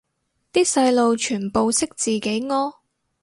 啲細路全部識自己屙